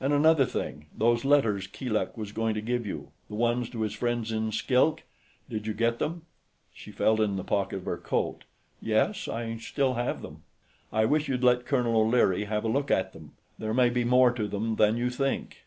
And another thing. Those letters Keeluk was going to give you, the ones to his friends in Skilk. Did you get them?" She felt in the pocket of her coat. "Yes. I still have them." "I wish you'd let Colonel O'Leary have a look at them. There may be more to them than you think....